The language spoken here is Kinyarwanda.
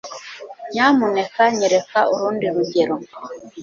Nyamuneka nyereka urundi rugero